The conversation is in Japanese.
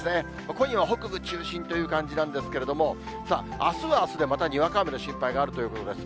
今夜は北部中心という感じなんですけれども、あすはあすでまたにわか雨の心配があるということです。